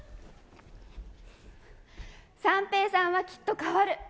三平さんはきっと変わる。